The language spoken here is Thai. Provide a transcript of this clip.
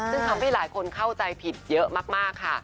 ซึ่งทำให้หลายคนเข้าใจผิดเยอะมากค่ะ